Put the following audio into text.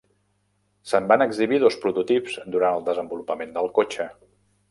Se'n van exhibir dos prototips durant el desenvolupament del cotxe.